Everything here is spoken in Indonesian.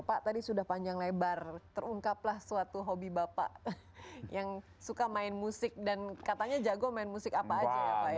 pak tadi sudah panjang lebar terungkaplah suatu hobi bapak yang suka main musik dan katanya jago main musik apa aja ya pak ya